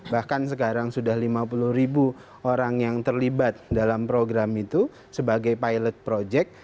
bahkan sekarang sudah lima puluh ribu orang yang terlibat dalam program itu sebagai pilot project